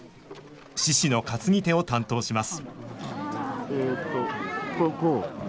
獅子の担ぎ手を担当します